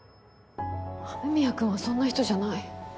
雨宮くんはそんな人じゃない。